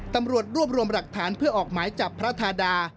ตำรวจรวบรวมหลักฐานเพื่อออกหมายจับพระธาดา